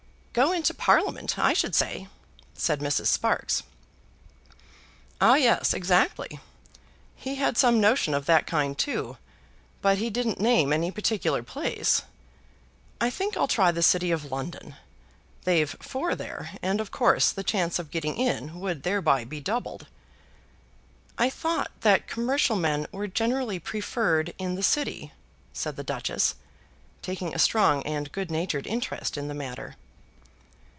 "Go into Parliament, I should say," said Mrs. Sparkes. "Ah, yes; exactly. He had some notion of that kind, too, but he didn't name any particular place. I think I'll try the City of London. They've four there, and of course the chance of getting in would thereby be doubled." "I thought that commercial men were generally preferred in the City," said the Duchess, taking a strong and good natured interest in the matter.